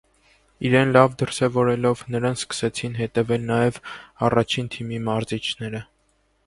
Իրեն լավ դրսևորելով՝ նրան սկսեցին հետևել նաև առաջին թիմի մարզիչները։